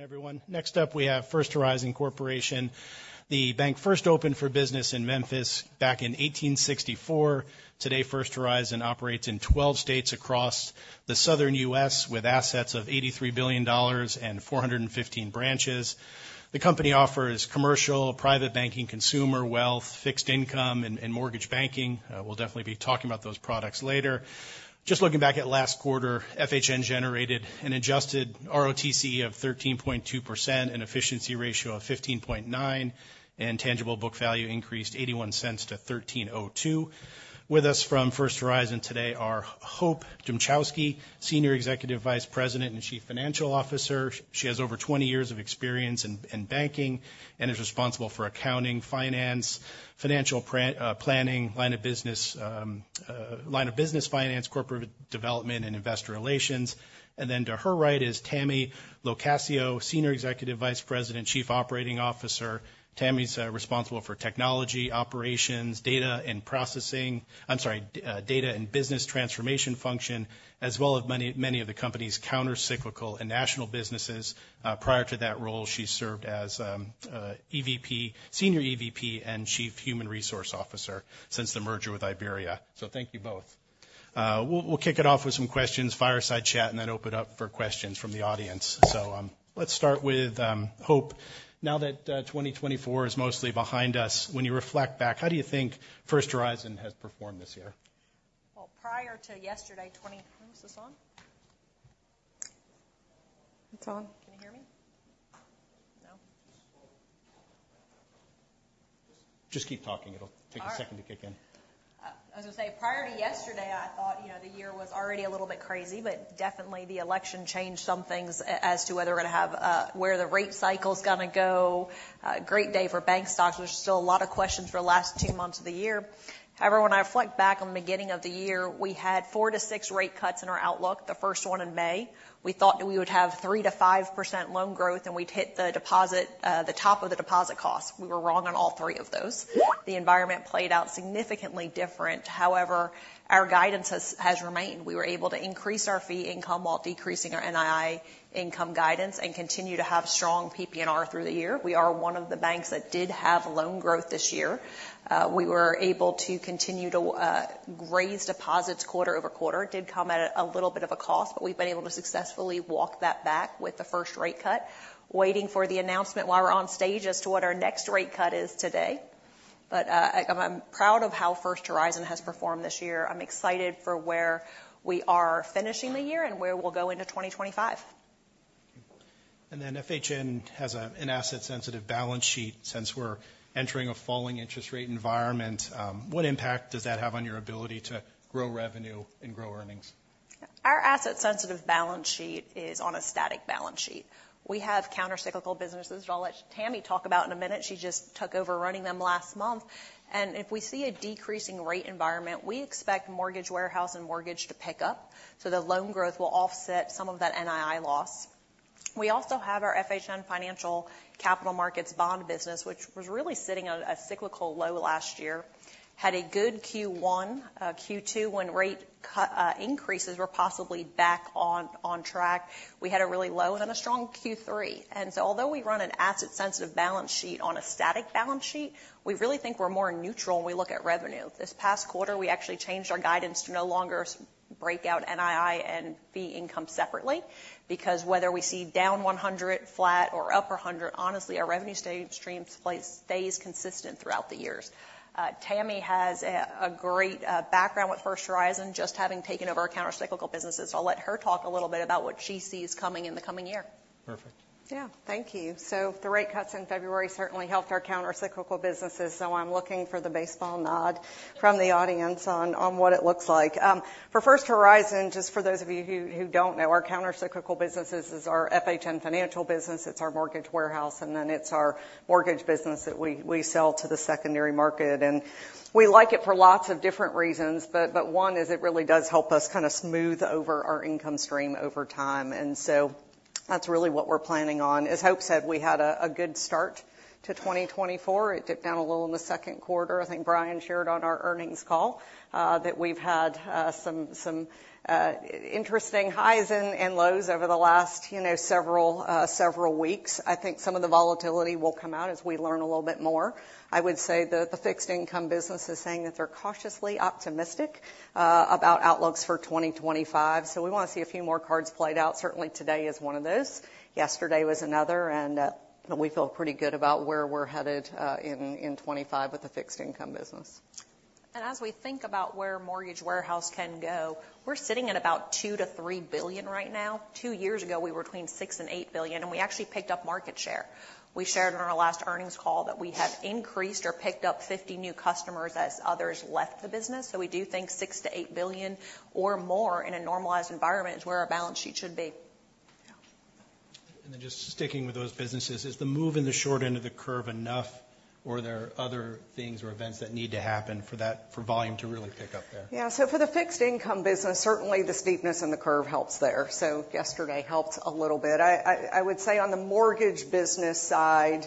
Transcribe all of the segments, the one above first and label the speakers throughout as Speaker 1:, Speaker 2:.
Speaker 1: Everyone. Next up, we have First Horizon Corporation, the bank first opened for business in Memphis back in 1864. Today, First Horizon operates in 12 states across the southern U.S., with assets of $83 billion and 415 branches. The company offers commercial, private banking, consumer wealth, fixed income, and mortgage banking. We'll definitely be talking about those products later. Just looking back at last quarter, FHN generated an adjusted ROTCE of 13.2%, an efficiency ratio of 15.9, and tangible book value increased $0.81-$13.02. With us from First Horizon today are Hope Dmuchowski, Senior Executive Vice President and Chief Financial Officer. She has over 20 years of experience in banking and is responsible for accounting, finance, financial planning, line of business, line of business finance, corporate development, and investor relations. Then to her right is Tammy LoCascio, Senior Executive Vice President, Chief Operating Officer. Tammy's responsible for technology, operations, data and processing, I'm sorry, data and business transformation function, as well as many of the company's countercyclical and national businesses. Prior to that role, she served as EVP, Senior EVP, and Chief Human Resource Officer since the merger with Iberia. So thank you both. We'll kick it off with some questions, fireside chat, and then open up for questions from the audience. So let's start with Hope. Now that 2024 is mostly behind us, when you reflect back, how do you think First Horizon has performed this year?
Speaker 2: Prior to yesterday, 20—who's this on? It's on. Can you hear me? No?
Speaker 1: Just keep talking. It'll take a second to kick in.
Speaker 2: I was going to say, prior to yesterday, I thought the year was already a little bit crazy, but definitely the election changed some things as to whether we're going to have where the rate cycle's going to go. Great day for bank stocks. There's still a lot of questions for the last two months of the year. However, when I reflect back on the beginning of the year, we had four to six rate cuts in our outlook, the first one in May. We thought that we would have 3%-5% loan growth, and we'd hit the top of the deposit costs. We were wrong on all three of those. The environment played out significantly different. However, our guidance has remained. We were able to increase our fee income while decreasing our NII income guidance and continue to have strong PPNR through the year. We are one of the banks that did have loan growth this year. We were able to continue to raise deposits quarter over quarter. It did come at a little bit of a cost, but we've been able to successfully walk that back with the first rate cut. Waiting for the announcement while we're on stage as to what our next rate cut is today. But I'm proud of how First Horizon has performed this year. I'm excited for where we are finishing the year and where we'll go into 2025.
Speaker 1: FHN has an asset-sensitive balance sheet since we're entering a falling interest rate environment. What impact does that have on your ability to grow revenue and grow earnings?
Speaker 2: Our asset-sensitive balance sheet is on a static balance sheet. We have countercyclical businesses, which I'll let Tammy talk about in a minute. She just took over running them last month, and if we see a decreasing rate environment, we expect mortgage warehouse and mortgage to pick up. So the loan growth will offset some of that NII loss. We also have our FHN Financial capital markets bond business, which was really sitting on a cyclical low last year, had a good Q1, Q2 when rate increases were possibly back on track. We had a really low and then a strong Q3, and so although we run an asset-sensitive balance sheet on a static balance sheet, we really think we're more neutral when we look at revenue. This past quarter, we actually changed our guidance to no longer break out NII and fee income separately because whether we see down 100, flat, or up 100, honestly, our revenue stream stays consistent throughout the years. Tammy has a great background with First Horizon, just having taken over our countercyclical businesses. I'll let her talk a little bit about what she sees coming in the coming year.
Speaker 1: Perfect.
Speaker 3: Yeah, thank you. So the rate cuts in February certainly helped our countercyclical businesses. So I'm looking for the baseball nod from the audience on what it looks like. For First Horizon, just for those of you who don't know, our countercyclical businesses are FHN Financial business. It's our mortgage warehouse, and then it's our mortgage business that we sell to the secondary market. And we like it for lots of different reasons, but one is it really does help us kind of smooth over our income stream over time. And so that's really what we're planning on. As Hope said, we had a good start to 2024. It dipped down a little in the second quarter. I think Brian shared on our earnings call that we've had some interesting highs and lows over the last several weeks. I think some of the volatility will come out as we learn a little bit more. I would say the fixed income business is saying that they're cautiously optimistic about outlooks for 2025. So we want to see a few more cards played out. Certainly, today is one of those. Yesterday was another, and we feel pretty good about where we're headed in 2025 with the fixed income business.
Speaker 2: As we think about where mortgage warehouse can go, we're sitting at about $2-$3 billion right now. Two years ago, we were between $6 billion and $8 billion, and we actually picked up market share. We shared on our last earnings call that we have increased or picked up 50 new customers as others left the business. We do think $6-$8 billion or more in a normalized environment is where our balance sheet should be.
Speaker 1: Just sticking with those businesses, is the move in the short end of the curve enough, or are there other things or events that need to happen for volume to really pick up there?
Speaker 3: Yeah, so for the fixed income business, certainly the steepness in the curve helps there. So yesterday helped a little bit. I would say on the mortgage business side,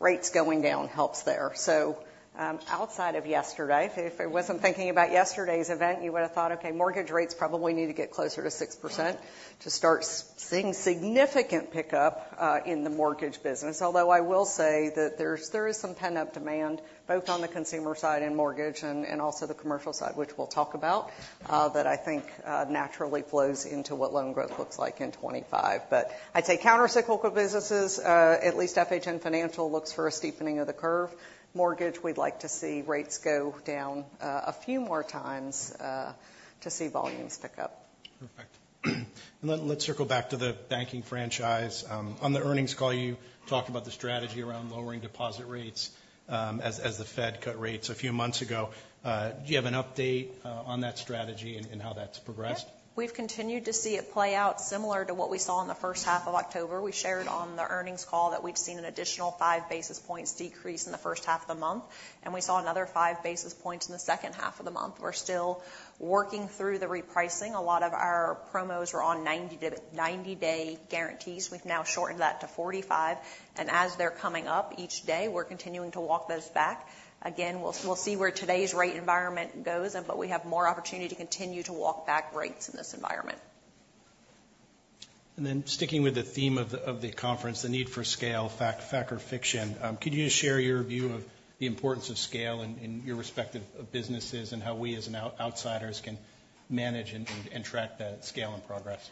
Speaker 3: rates going down helps there. So outside of yesterday, if I wasn't thinking about yesterday's event, you would have thought, okay, mortgage rates probably need to get closer to 6% to start seeing significant pickup in the mortgage business. Although I will say that there is some pent-up demand both on the consumer side and mortgage and also the commercial side, which we'll talk about, that I think naturally flows into what loan growth looks like in 2025. But I'd say countercyclical businesses, at least FHN Financial looks for a steepening of the curve. Mortgage, we'd like to see rates go down a few more times to see volumes pick up.
Speaker 1: Perfect. And let's circle back to the banking franchise. On the earnings call, you talked about the strategy around lowering deposit rates as the Fed cut rates a few months ago. Do you have an update on that strategy and how that's progressed?
Speaker 2: We've continued to see it play out similar to what we saw in the first half of October. We shared on the earnings call that we'd seen an additional five basis points decrease in the first half of the month, and we saw another five basis points in the second half of the month. We're still working through the repricing. A lot of our promos were on 90-day guarantees. We've now shortened that to 45. And as they're coming up each day, we're continuing to walk those back. Again, we'll see where today's rate environment goes, but we have more opportunity to continue to walk back rates in this environment.
Speaker 1: Sticking with the theme of the conference, the need for scale, fact or fiction, could you just share your view of the importance of scale in your respective businesses and how we as outsiders can manage and track that scale and progress?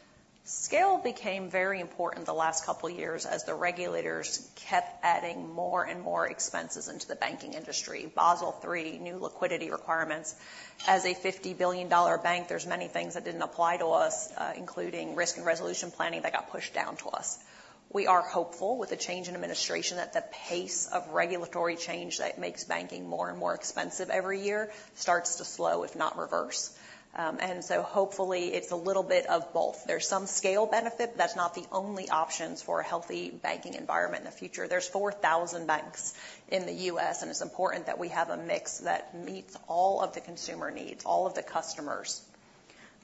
Speaker 2: Scale became very important the last couple of years as the regulators kept adding more and more expenses into the banking industry, Basel III, new liquidity requirements. As a $50 billion bank, there's many things that didn't apply to us, including risk and resolution planning that got pushed down to us. We are hopeful with the change in administration that the pace of regulatory change that makes banking more and more expensive every year starts to slow, if not reverse, and so hopefully it's a little bit of both. There's some scale benefit, but that's not the only options for a healthy banking environment in the future. There's 4,000 banks in the U.S., and it's important that we have a mix that meets all of the consumer needs, all of the customers.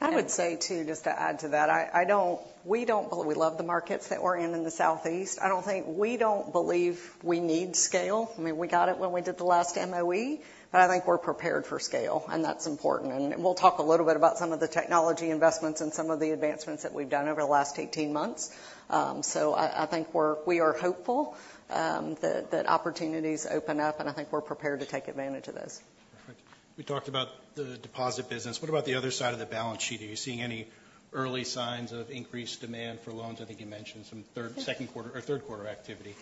Speaker 3: I would say too, just to add to that, we love the markets that we're in in the Southeast. I don't think we need scale. I mean, we got it when we did the last MOE, but I think we're prepared for scale, and that's important and we'll talk a little bit about some of the technology investments and some of the advancements that we've done over the last 18 months. I think we are hopeful that opportunities open up, and I think we're prepared to take advantage of those.
Speaker 1: Perfect. We talked about the deposit business. What about the other side of the balance sheet? Are you seeing any early signs of increased demand for loans? I think you mentioned some third, second quarter or third quarter activity.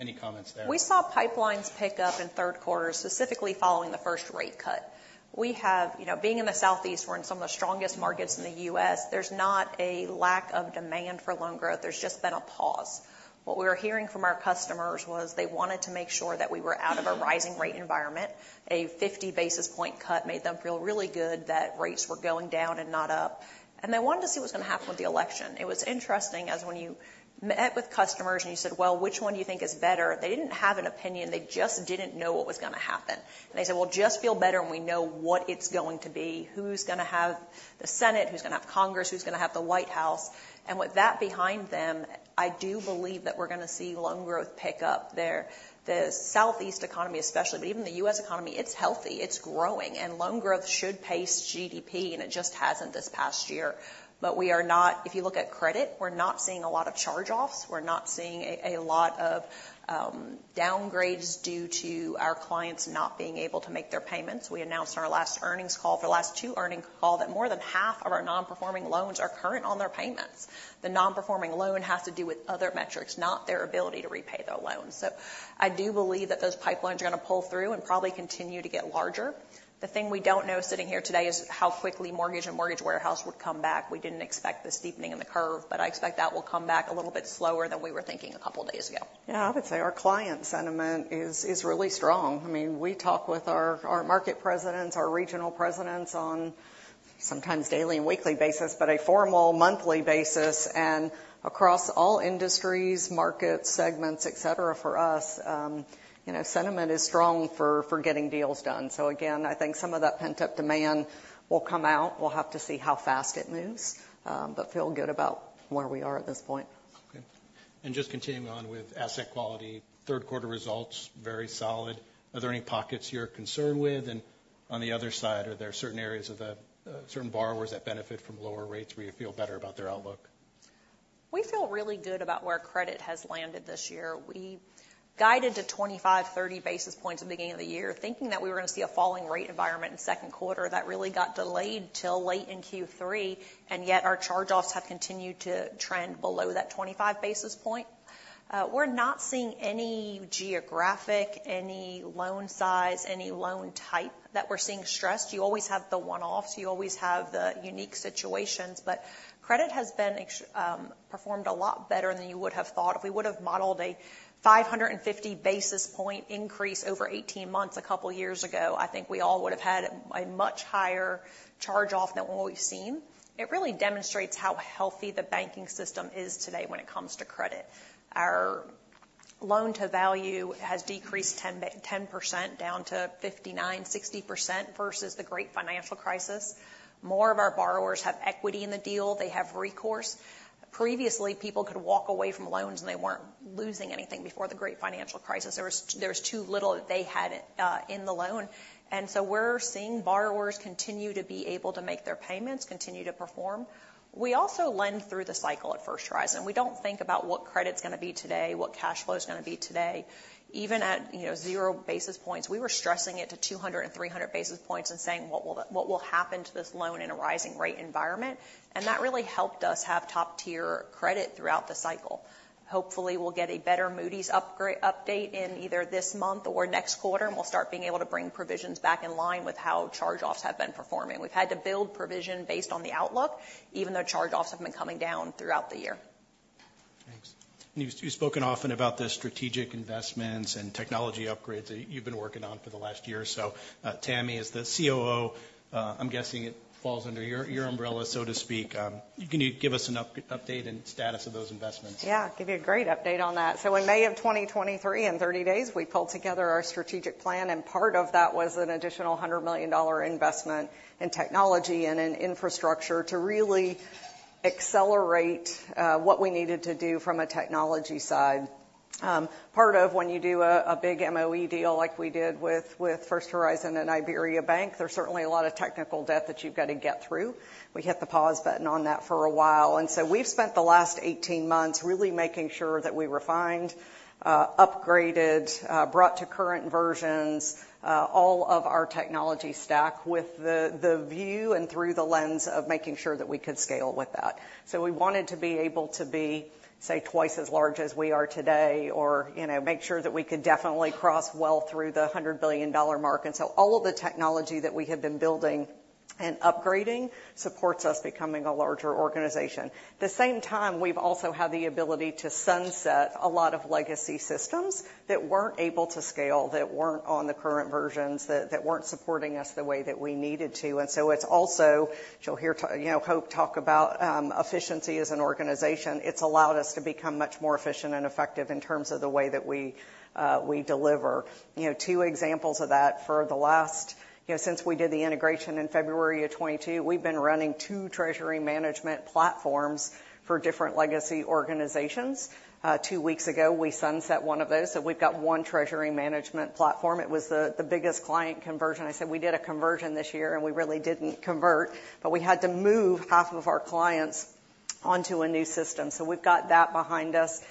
Speaker 1: Any comments there?
Speaker 2: We saw pipelines pick up in third quarter, specifically following the first rate cut. We have, being in the Southeast, we're in some of the strongest markets in the U.S. There's not a lack of demand for loan growth. There's just been a pause. What we were hearing from our customers was they wanted to make sure that we were out of a rising rate environment. A 50 basis point cut made them feel really good that rates were going down and not up, and they wanted to see what's going to happen with the election. It was interesting as when you met with customers and you said, "Well, which one do you think is better?" They didn't have an opinion. They just didn't know what was going to happen, and they said, "Well, just feel better and we know what it's going to be. Who's going to have the Senate? Who's going to have Congress? Who's going to have the White House?" And with that behind them, I do believe that we're going to see loan growth pick up there. The Southeast economy, especially, but even the U.S. economy, it's healthy. It's growing. And loan growth should pace GDP, and it just hasn't this past year. But we are not, if you look at credit, we're not seeing a lot of charge-offs. We're not seeing a lot of downgrades due to our clients not being able to make their payments. We announced on our last earnings call, for the last two earnings calls, that more than half of our non-performing loans are current on their payments. The non-performing loan has to do with other metrics, not their ability to repay their loans. So I do believe that those pipelines are going to pull through and probably continue to get larger. The thing we don't know sitting here today is how quickly mortgage and mortgage warehouse would come back. We didn't expect the steepening in the curve, but I expect that will come back a little bit slower than we were thinking a couple of days ago.
Speaker 3: Yeah, I would say our client sentiment is really strong. I mean, we talk with our market presidents, our regional presidents on sometimes daily and weekly basis, but a formal monthly basis. And across all industries, markets, segments, et cetera, for us, sentiment is strong for getting deals done. So again, I think some of that pent-up demand will come out. We'll have to see how fast it moves, but feel good about where we are at this point.
Speaker 1: Okay. And just continuing on with asset quality, third quarter results, very solid. Are there any pockets you're concerned with? And on the other side, are there certain areas of certain borrowers that benefit from lower rates where you feel better about their outlook?
Speaker 2: We feel really good about where credit has landed this year. We guided to 25, 30 basis points at the beginning of the year, thinking that we were going to see a falling rate environment in second quarter. That really got delayed till late in Q3, and yet our charge-offs have continued to trend below that 25 basis points. We're not seeing any geographic, any loan size, any loan type that we're seeing stressed. You always have the one-offs. You always have the unique situations. But credit has been performed a lot better than you would have thought. If we would have modeled a 550 basis points increase over 18 months a couple of years ago, I think we all would have had a much higher charge-off than what we've seen. It really demonstrates how healthy the banking system is today when it comes to credit. Our loan-to-value has decreased 10% down to 59%-60% versus the Great Financial Crisis. More of our borrowers have equity in the deal. They have recourse. Previously, people could walk away from loans, and they weren't losing anything before the Great Financial Crisis. There was too little that they had in the loan, and so we're seeing borrowers continue to be able to make their payments, continue to perform. We also lend through the cycle at First Horizon. We don't think about what credit's going to be today, what cash flow's going to be today. Even at zero basis points, we were stressing it to 200 and 300 basis points and saying, "What will happen to this loan in a rising rate environment?," and that really helped us have top-tier credit throughout the cycle. Hopefully, we'll get a better Moody's update in either this month or next quarter, and we'll start being able to bring provisions back in line with how charge-offs have been performing. We've had to build provision based on the outlook, even though charge-offs have been coming down throughout the year.
Speaker 1: Thanks. And you've spoken often about the strategic investments and technology upgrades that you've been working on for the last year. So Tammy is the COO. I'm guessing it falls under your umbrella, so to speak. Can you give us an update and status of those investments?
Speaker 3: Yeah, I'll give you a great update on that. So in May of 2023, in 30 days, we pulled together our strategic plan, and part of that was an additional $100 million investment in technology and in infrastructure to really accelerate what we needed to do from a technology side. Part of when you do a big MOE deal like we did with First Horizon and IberiaBank, there's certainly a lot of technical debt that you've got to get through. We hit the pause button on that for a while, and so we've spent the last 18 months really making sure that we refined, upgraded, brought to current versions all of our technology stack with the view and through the lens of making sure that we could scale with that. So we wanted to be able to be, say, twice as large as we are today or make sure that we could definitely cross well through the $100 billion mark. And so all of the technology that we have been building and upgrading supports us becoming a larger organization. At the same time, we've also had the ability to sunset a lot of legacy systems that weren't able to scale, that weren't on the current versions, that weren't supporting us the way that we needed to. And so it's also, you'll hear Hope talk about efficiency as an organization. It's allowed us to become much more efficient and effective in terms of the way that we deliver. Two examples of that for the last, since we did the integration in February of 2022, we've been running two treasury management platforms for different legacy organizations. Two weeks ago, we sunset one of those. So we've got one treasury management platform. It was the biggest client conversion. I said we did a conversion this year, and we really didn't convert, but we had to move half of our clients onto a new system. So we've got that behind us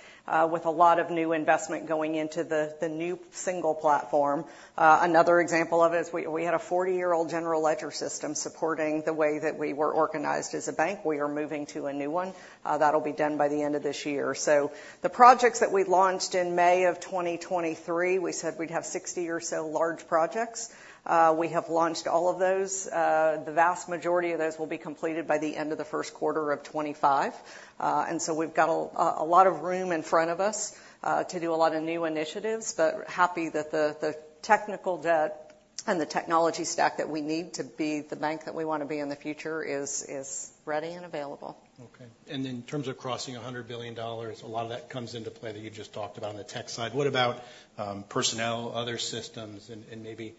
Speaker 3: with a lot of new investment going into the new single platform. Another example of it is we had a 40-year-old general ledger system supporting the way that we were organized as a bank. We are moving to a new one. That'll be done by the end of this year. So the projects that we launched in May of 2023, we said we'd have 60 or so large projects. We have launched all of those. The vast majority of those will be completed by the end of the first quarter of 2025. And so we've got a lot of room in front of us to do a lot of new initiatives, but happy that the technical debt and the technology stack that we need to be the bank that we want to be in the future is ready and available.
Speaker 1: Okay. And in terms of crossing $100 billion, a lot of that comes into play that you just talked about on the tech side. What about personnel, other systems, and maybe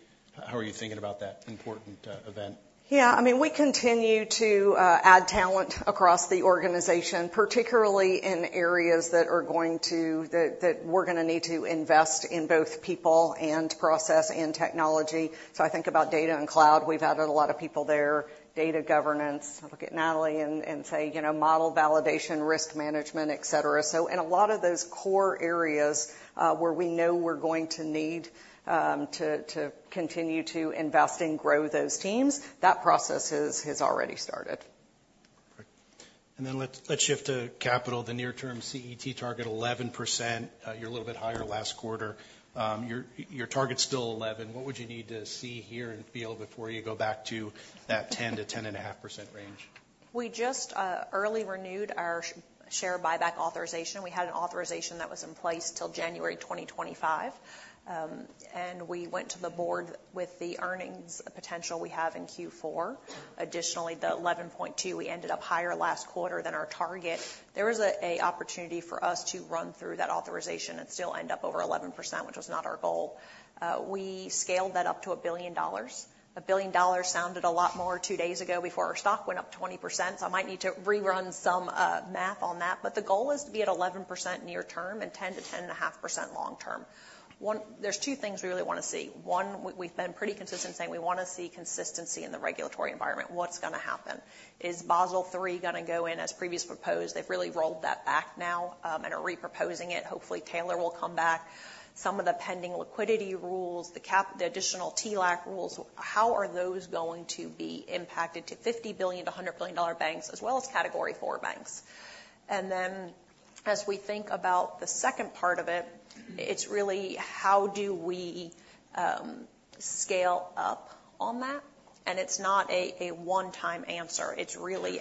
Speaker 1: how are you thinking about that important event?
Speaker 3: Yeah. I mean, we continue to add talent across the organization, particularly in areas that are going to, that we're going to need to invest in both people and process and technology. So I think about data and cloud. We've added a lot of people there, data governance. I'll look at Natalie and say model validation, risk management, et cetera. So in a lot of those core areas where we know we're going to need to continue to invest and grow those teams, that process has already started.
Speaker 1: Perfect. And then let's shift to capital. The near-term CET1 target 11%. You're a little bit higher last quarter. Your target's still 11%. What would you need to see here and feel before you go back to that 10%-10.5% range?
Speaker 2: We just early renewed our share buyback authorization. We had an authorization that was in place till January 2025. And we went to the board with the earnings potential we have in Q4. Additionally, the 11.2, we ended up higher last quarter than our target. There was an opportunity for us to run through that authorization and still end up over 11%, which was not our goal. We scaled that up to $1 billion. $1 billion sounded a lot more two days ago before our stock went up 20%. So I might need to rerun some math on that. But the goal is to be at 11% near-term and 10%-10.5% long-term. There's two things we really want to see. One, we've been pretty consistent saying we want to see consistency in the regulatory environment. What's going to happen? Is Basel III going to go in as previously proposed? They've really rolled that back now and are reproposing it. Hopefully, Taylor will come back. Some of the pending liquidity rules, the additional TLAC rules, how are those going to be impacted to $50 billion-$100 billion banks, as well as Category IV banks? And then as we think about the second part of it, it's really how do we scale up on that? And it's not a one-time answer. It's really,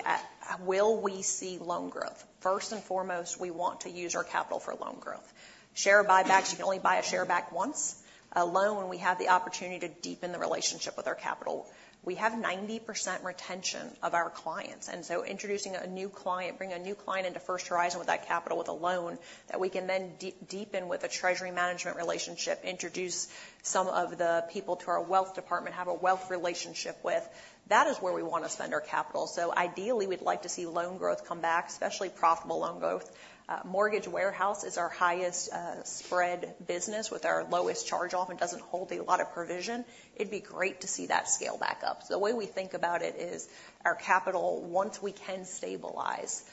Speaker 2: will we see loan growth? First and foremost, we want to use our capital for loan growth. Share buybacks, you can only buy a share back once. A loan, we have the opportunity to deepen the relationship with our capital. We have 90% retention of our clients. And so, introducing a new client, bringing a new client into First Horizon with that capital, with a loan that we can then deepen with a treasury management relationship, introduce some of the people to our wealth department, have a wealth relationship with. That is where we want to spend our capital. So ideally, we'd like to see loan growth come back, especially profitable loan growth. Mortgage warehouse is our highest spread business with our lowest charge-off and doesn't hold a lot of provision. It'd be great to see that scale back up. So the way we think about it is our capital, once we can stabilize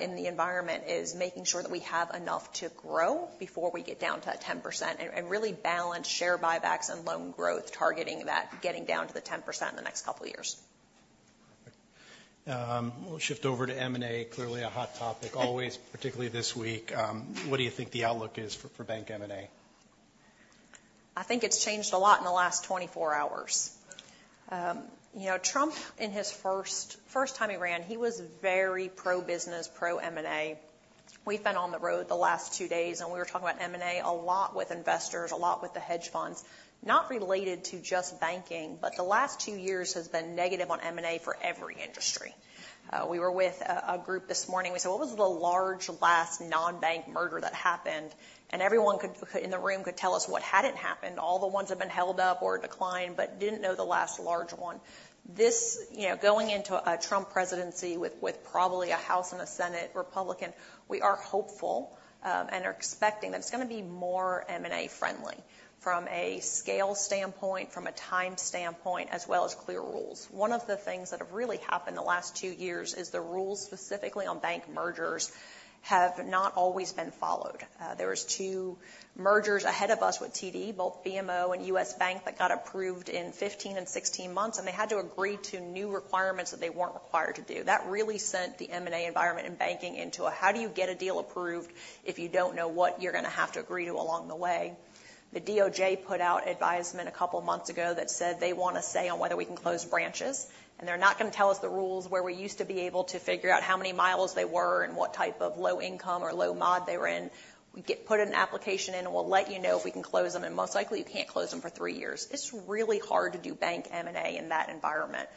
Speaker 2: in the environment, is making sure that we have enough to grow before we get down to 10% and really balance share buybacks and loan growth targeting that getting down to the 10% in the next couple of years.
Speaker 1: Perfect. We'll shift over to M&A. Clearly a hot topic, always, particularly this week. What do you think the outlook is for Bank M&A?
Speaker 2: I think it's changed a lot in the last 24 hours. Trump, in his first time he ran, he was very pro-business, pro-M&A. We've been on the road the last two days, and we were talking about M&A a lot with investors, a lot with the hedge funds, not related to just banking, but the last two years has been negative on M&A for every industry. We were with a group this morning. We said, "What was the largest last non-bank merger that happened?" and everyone in the room could tell us what hadn't happened, all the ones that had been held up or declined, but didn't know the last large one. Going into a Trump presidency with probably a House and a Senate Republican, we are hopeful and are expecting that it's going to be more M&A friendly from a scale standpoint, from a time standpoint, as well as clear rules. One of the things that have really happened the last two years is the rules specifically on bank mergers have not always been followed. There were two mergers ahead of us with TD, both BMO and US Bank, that got approved in 15 and 16 months, and they had to agree to new requirements that they weren't required to do. That really sent the M&A environment in banking into a, how do you get a deal approved if you don't know what you're going to have to agree to along the way? The DOJ put out an advisory a couple of months ago that said they want a say on whether we can close branches, and they're not going to tell us the rules where we used to be able to figure out how many miles they were and what type of low income or low-mod they were in. We put an application in, and we'll let you know if we can close them, and most likely you can't close them for three years. It's really hard to do bank M&A in that environment.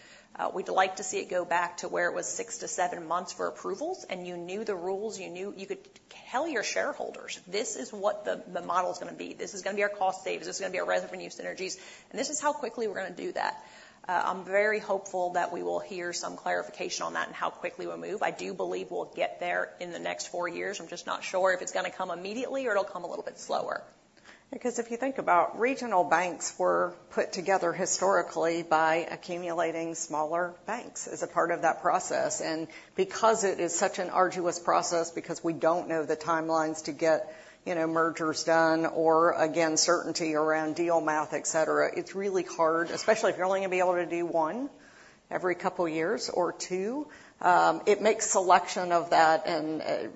Speaker 2: We'd like to see it go back to where it was six to seven months for approvals, and you knew the rules. You could tell your shareholders, "This is what the model's going to be. This is going to be our cost savings. This is going to be our resultant revenue synergies. This is how quickly we're going to do that. I'm very hopeful that we will hear some clarification on that and how quickly we'll move. I do believe we'll get there in the next four years. I'm just not sure if it's going to come immediately or it'll come a little bit slower.
Speaker 3: Because if you think about regional banks, we're put together historically by accumulating smaller banks as a part of that process. And because it is such an arduous process, because we don't know the timelines to get mergers done or, again, certainty around deal math, et cetera, it's really hard, especially if you're only going to be able to do one every couple of years or two. It makes selection of that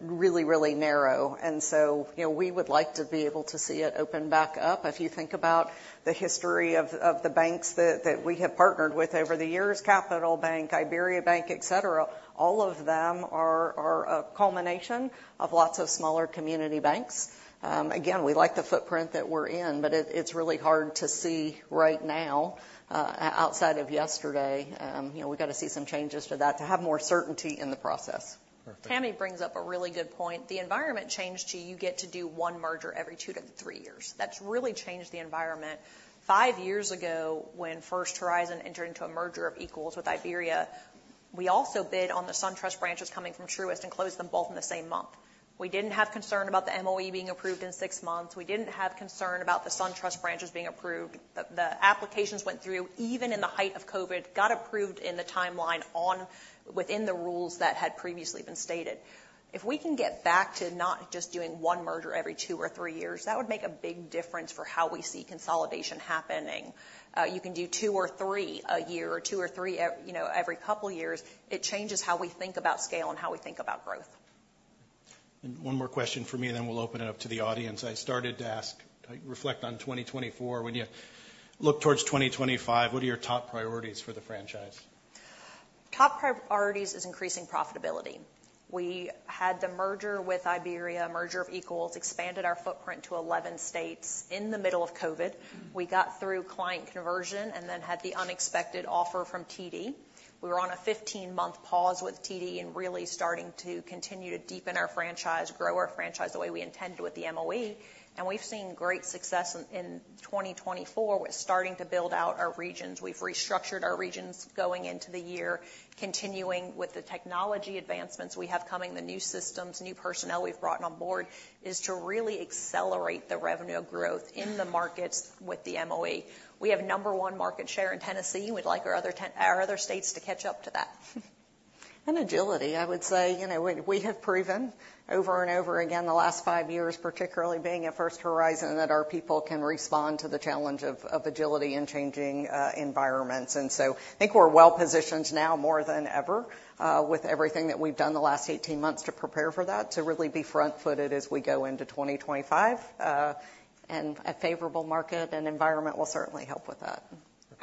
Speaker 3: really, really narrow. And so we would like to be able to see it open back up. If you think about the history of the banks that we have partnered with over the years, Capital Bank, IberiaBank, et cetera, all of them are a culmination of lots of smaller community banks. Again, we like the footprint that we're in, but it's really hard to see right now outside of yesterday. We've got to see some changes to that to have more certainty in the process.
Speaker 2: Tammy brings up a really good point. The environment changed to you get to do one merger every two to three years. That's really changed the environment. Five years ago, when First Horizon entered into a merger of equals with Iberia, we also bid on the SunTrust branches coming from Truist and closed them both in the same month. We didn't have concern about the MOE being approved in six months. We didn't have concern about the SunTrust branches being approved. The applications went through, even in the height of COVID, got approved in the timeline within the rules that had previously been stated. If we can get back to not just doing one merger every two or three years, that would make a big difference for how we see consolidation happening. You can do two or three a year or two or three every couple of years. It changes how we think about scale and how we think about growth.
Speaker 1: And one more question for me, and then we'll open it up to the audience. I started to ask, reflect on 2024. When you look towards 2025, what are your top priorities for the franchise?
Speaker 2: Top priorities is increasing profitability. We had the merger with Iberia, merger of Equals, expanded our footprint to 11 states in the middle of COVID. We got through client conversion and then had the unexpected offer from TD. We were on a 15-month pause with TD and really starting to continue to deepen our franchise, grow our franchise the way we intended with the MOE. And we've seen great success in 2024 with starting to build out our regions. We've restructured our regions going into the year, continuing with the technology advancements we have coming, the new systems, new personnel we've brought on board is to really accelerate the revenue growth in the markets with the MOE. We have number one market share in Tennessee. We'd like our other states to catch up to that.
Speaker 3: And agility, I would say. We have proven over and over again the last five years, particularly being at First Horizon, that our people can respond to the challenge of agility and changing environments. And so I think we're well positioned now more than ever with everything that we've done the last 18 months to prepare for that, to really be front-footed as we go into 2025. And a favorable market and environment will certainly help with that.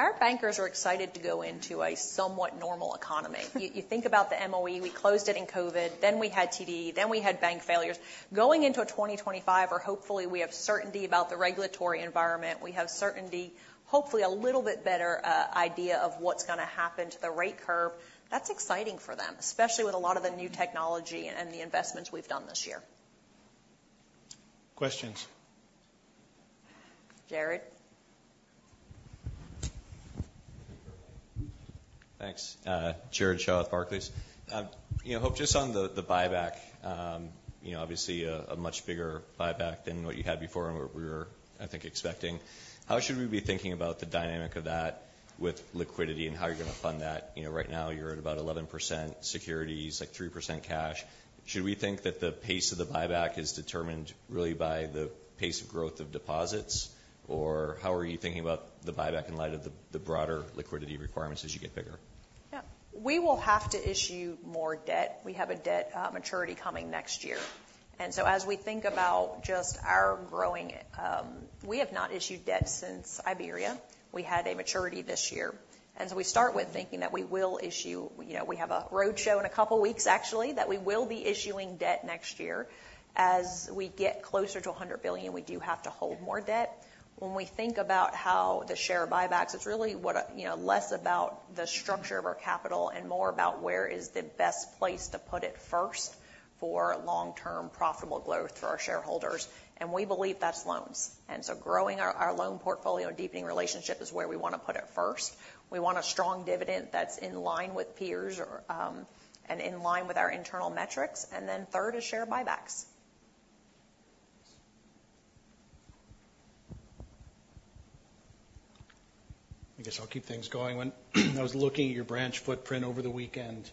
Speaker 2: Our bankers are excited to go into a somewhat normal economy. You think about the MOE. We closed it in COVID. Then we had TD. Then we had bank failures. Going into 2025, or hopefully we have certainty about the regulatory environment, we have certainty, hopefully a little bit better idea of what's going to happen to the rate curve. That's exciting for them, especially with a lot of the new technology and the investments we've done this year.
Speaker 1: Questions?
Speaker 2: Jared.
Speaker 4: Thanks. Jared Shaw at Barclays. Hope just on the buyback, obviously a much bigger buyback than what you had before and what we were, I think, expecting. How should we be thinking about the dynamic of that with liquidity and how you're going to fund that? Right now, you're at about 11% securities, like 3% cash. Should we think that the pace of the buyback is determined really by the pace of growth of deposits, or how are you thinking about the buyback in light of the broader liquidity requirements as you get bigger?
Speaker 2: Yeah. We will have to issue more debt. We have a debt maturity coming next year. And so as we think about just our growing, we have not issued debt since Iberia. We had a maturity this year. And so we start with thinking that we will issue, we have a roadshow in a couple of weeks, actually, that we will be issuing debt next year. As we get closer to $100 billion, we do have to hold more debt. When we think about how the share buybacks, it's really less about the structure of our capital and more about where is the best place to put it first for long-term profitable growth for our shareholders. And we believe that's loans. And so growing our loan portfolio and deepening relationship is where we want to put it first. We want a strong dividend that's in line with peers and in line with our internal metrics. And then third is share buybacks.
Speaker 1: I guess I'll keep things going. When I was looking at your branch footprint over the weekend,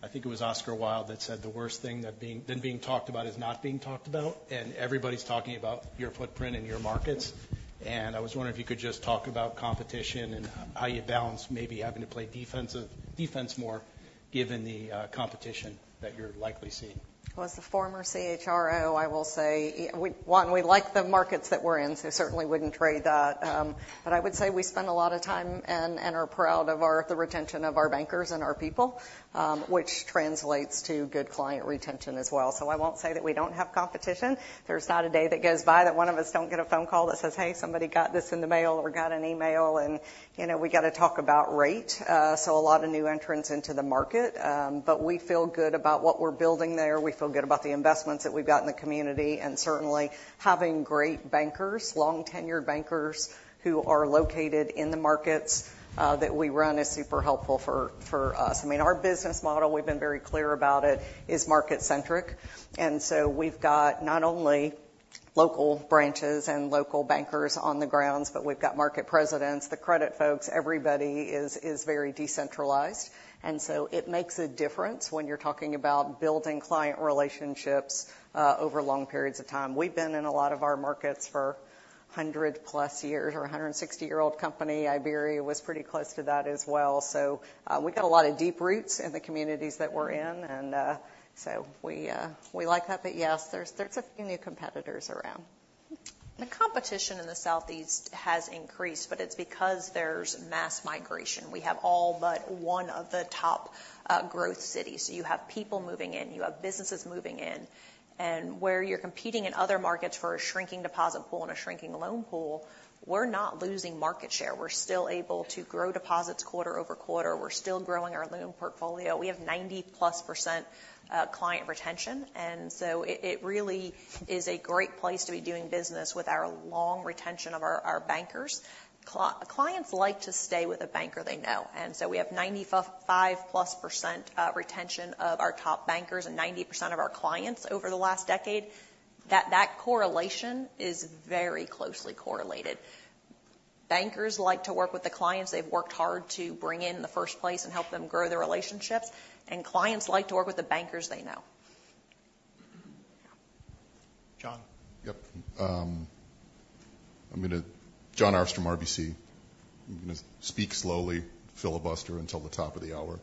Speaker 1: I think it was Oscar Wilde that said the only thing worse than being talked about is not being talked about, and everybody's talking about your footprint and your markets, and I was wondering if you could just talk about competition and how you balance maybe having to play defense more given the competition that you're likely seeing.
Speaker 3: As the former CHRO, I will say, one, we like the markets that we're in, so certainly wouldn't trade that. But I would say we spend a lot of time and are proud of the retention of our bankers and our people, which translates to good client retention as well. So I won't say that we don't have competition. There's not a day that goes by that one of us don't get a phone call that says, "Hey, somebody got this in the mail or got an email, and we got to talk about rate." So a lot of new entrants into the market. But we feel good about what we're building there. We feel good about the investments that we've got in the community. And certainly having great bankers, long-tenured bankers who are located in the markets that we run is super helpful for us. I mean, our business model, we've been very clear about it, is market-centric. And so we've got not only local branches and local bankers on the grounds, but we've got market presidents, the credit folks. Everybody is very decentralized. And so it makes a difference when you're talking about building client relationships over long periods of time. We've been in a lot of our markets for 100-plus years. Our 160-year-old company, Iberia, was pretty close to that as well. So we've got a lot of deep roots in the communities that we're in. And so we like that. But yes, there's a few new competitors around.
Speaker 2: The competition in the Southeast has increased, but it's because there's mass migration. We have all but one of the top growth cities. So you have people moving in. You have businesses moving in. And where you're competing in other markets for a shrinking deposit pool and a shrinking loan pool, we're not losing market share. We're still able to grow deposits quarter over quarter. We're still growing our loan portfolio. We have 90-plus% client retention. And so it really is a great place to be doing business with our long retention of our bankers. Clients like to stay with a banker they know. And so we have 95-plus% retention of our top bankers and 90% of our clients over the last decade. That correlation is very closely correlated. Bankers like to work with the clients they've worked hard to bring in in the first place and help them grow their relationships, and clients like to work with the bankers they know.
Speaker 1: John.
Speaker 4: Yep. I'm going to John Arfstrom from RBC. I'm going to speak slowly, filibuster until the top of the hour.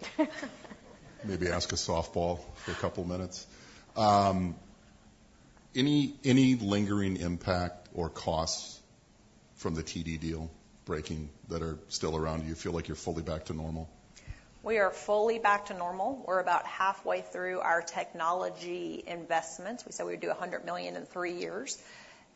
Speaker 4: Maybe ask a softball for a couple of minutes. Any lingering impact or costs from the TD deal breaking that are still around? Do you feel like you're fully back to normal?
Speaker 2: We are fully back to normal. We're about halfway through our technology investments. We said we would do $100 million in three years.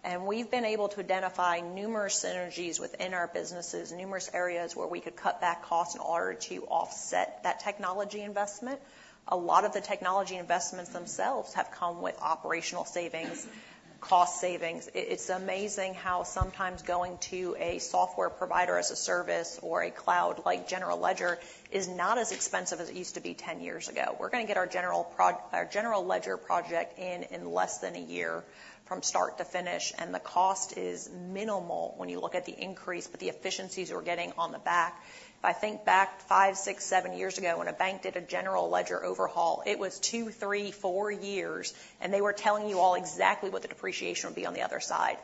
Speaker 2: And we've been able to identify numerous synergies within our businesses, numerous areas where we could cut back costs in order to offset that technology investment. A lot of the technology investments themselves have come with operational savings, cost savings. It's amazing how sometimes going to a software provider as a service or a cloud like General Ledger is not as expensive as it used to be 10 years ago. We're going to get our General Ledger project in in less than a year from start to finish. And the cost is minimal when you look at the increase, but the efficiencies we're getting on the back. If I think back five, six, seven years ago when a bank did a general ledger overhaul, it was two, three, four years, and they were telling you all exactly what the depreciation would be on the other side.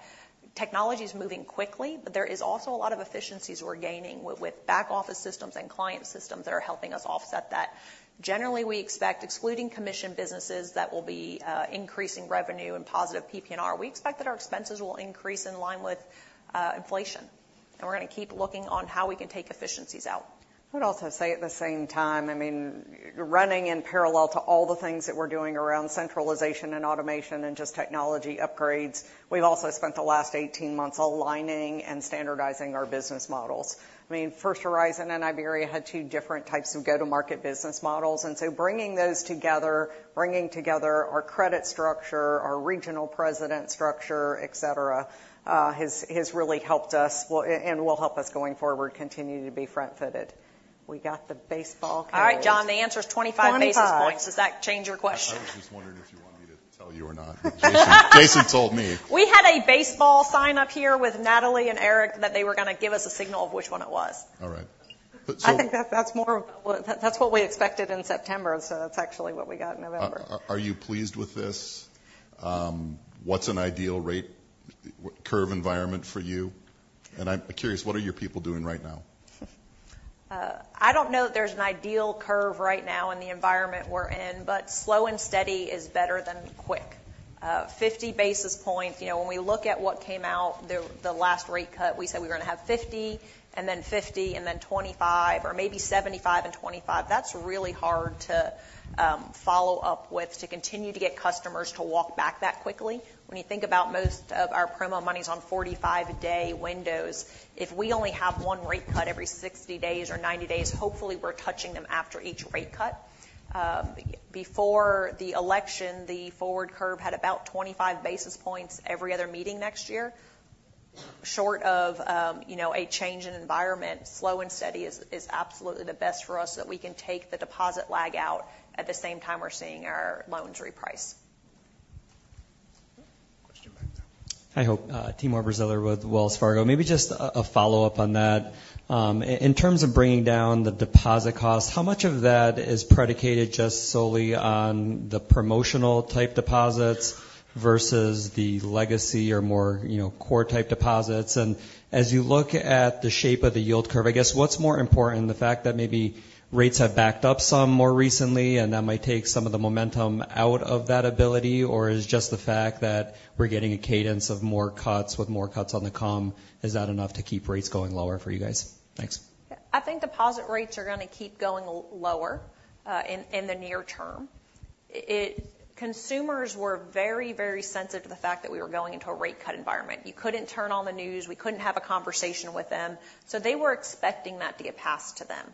Speaker 2: Technology is moving quickly, but there is also a lot of efficiencies we're gaining with back-office systems and client systems that are helping us offset that. Generally, we expect, excluding commission businesses that will be increasing revenue and positive PP&R, we expect that our expenses will increase in line with inflation. And we're going to keep looking on how we can take efficiencies out. I would also say at the same time, I mean, running in parallel to all the things that we're doing around centralization and automation and just technology upgrades, we've also spent the last 18 months aligning and standardizing our business models. I mean, First Horizon and Iberia had two different types of go-to-market business models. And so bringing those together, bringing together our credit structure, our regional president structure, et cetera, has really helped us and will help us going forward continue to be front-footed. We got the baseball. All right, John, the answer is 25 basis points. Does that change your question?
Speaker 4: I was just wondering if you want me to tell you or not. Jason told me.
Speaker 2: We had a baseball sign up here with Natalie and Eric that they were going to give us a signal of which one it was.
Speaker 4: All right.
Speaker 3: I think that's what we expected in September, so that's actually what we got in November.
Speaker 4: Are you pleased with this? What's an ideal rate curve environment for you? And I'm curious, what are your people doing right now?
Speaker 2: I don't know that there's an ideal curve right now in the environment we're in, but slow and steady is better than quick. 50 basis points, when we look at what came out, the last rate cut, we said we were going to have 50 and then 50 and then 25 or maybe 75 and 25. That's really hard to follow up with to continue to get customers to walk back that quickly. When you think about most of our promo money's on 45-day windows, if we only have one rate cut every 60 days or 90 days, hopefully we're touching them after each rate cut. Before the election, the forward curve had about 25 basis points every other meeting next year. Short of a change in environment, slow and steady is absolutely the best for us so that we can take the deposit lag out at the same time we're seeing our loans reprice.
Speaker 1: Question back there.
Speaker 5: Hi, Hope. Timur Braziler with Wells Fargo. Maybe just a follow-up on that. In terms of bringing down the deposit costs, how much of that is predicated just solely on the promotional-type deposits versus the legacy or more core-type deposits? And as you look at the shape of the yield curve, I guess what's more important, the fact that maybe rates have backed up some more recently and that might take some of the momentum out of that ability, or is just the fact that we're getting a cadence of more cuts with more cuts on the come? Is that enough to keep rates going lower for you guys? Thanks.
Speaker 2: I think deposit rates are going to keep going lower in the near term. Consumers were very, very sensitive to the fact that we were going into a rate-cut environment. You couldn't turn on the news. We couldn't have a conversation with them. So they were expecting that to get passed to them.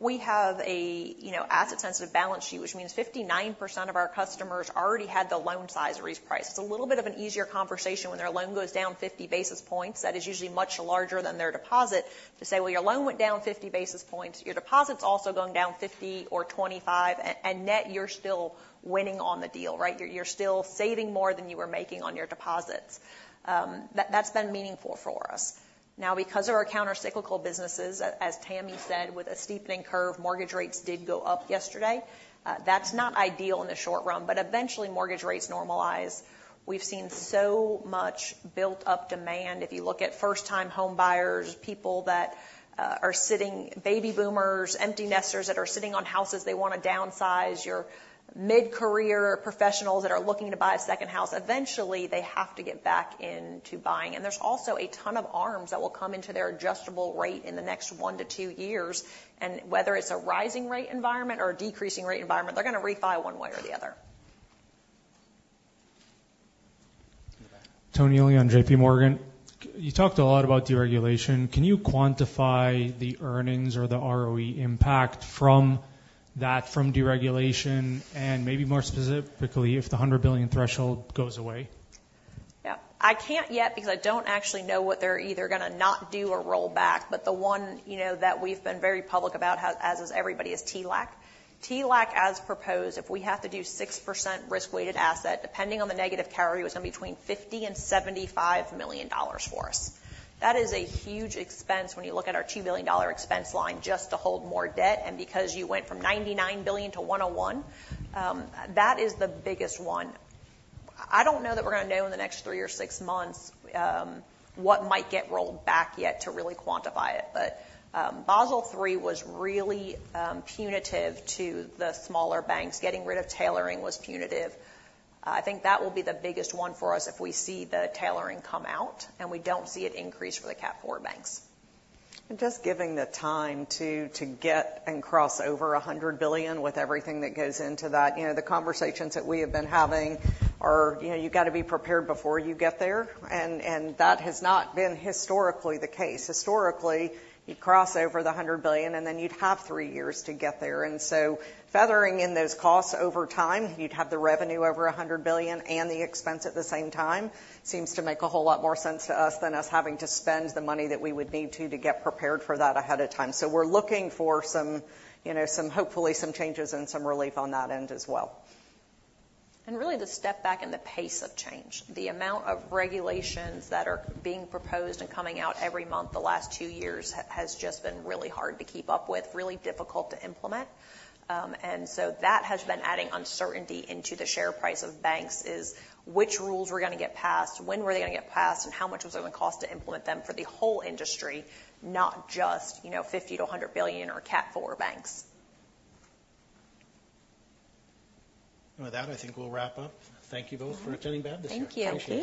Speaker 2: We have an asset-sensitive balance sheet, which means 59% of our customers already had their loans repriced. It's a little bit of an easier conversation when their loan goes down 50 basis points. That is usually much larger than their deposit to say, "Well, your loan went down 50 basis points. Your deposit's also going down 50 or 25, and net you're still winning on the deal, right? You're still saving more than you were making on your deposits." That's been meaningful for us. Now, because of our countercyclical businesses, as Tammy said, with a steepening curve, mortgage rates did go up yesterday. That's not ideal in the short run, but eventually mortgage rates normalize. We've seen so much built-up demand. If you look at first-time home buyers, people that are sitting, baby boomers, empty nesters that are sitting on houses, they want to downsize. Your mid-career professionals that are looking to buy a second house, eventually they have to get back into buying. And there's also a ton of arms that will come into their adjustable rate in the next one to two years. And whether it's a rising rate environment or a decreasing rate environment, they're going to refi one way or the other.
Speaker 6: Anthony Elian, J.P. Morgan. You talked a lot about deregulation. Can you quantify the earnings or the ROE impact from deregulation and maybe more specifically if the 100 billion threshold goes away?
Speaker 2: Yeah. I can't yet because I don't actually know what they're either going to not do or roll back. But the one that we've been very public about, as is everybody, is TLAC. TLAC, as proposed, if we have to do 6% risk-weighted asset, depending on the negative carry, was going to be between $50 and $75 million for us. That is a huge expense when you look at our $2 billion expense line just to hold more debt. And because you went from $99 billion to $101 billion, that is the biggest one. I don't know that we're going to know in the next three or six months what might get rolled back yet to really quantify it. But Basel III was really punitive to the smaller banks. Getting rid of tailoring was punitive. I think that will be the biggest one for us if we see the tailoring come out and we don't see it increase for the Category IV banks.
Speaker 3: And just giving the time to get and cross over $100 billion with everything that goes into that. The conversations that we have been having are, you've got to be prepared before you get there. And that has not been historically the case. Historically, you'd cross over the $100 billion and then you'd have three years to get there. And so feathering in those costs over time, you'd have the revenue over $100 billion and the expense at the same time seems to make a whole lot more sense to us than us having to spend the money that we would need to to get prepared for that ahead of time. So we're looking for some hopefully some changes and some relief on that end as well.
Speaker 2: Really, the step back and the pace of change. The amount of regulations that are being proposed and coming out every month the last two years has just been really hard to keep up with, really difficult to implement. So that has been adding uncertainty into the share price of banks is which rules we're going to get passed, when were they going to get passed, and how much was it going to cost to implement them for the whole industry, not just $50 billion-$100 billion or Cat-IV banks.
Speaker 1: With that, I think we'll wrap up. Thank you both for attending BAAB this year.
Speaker 2: Thank you.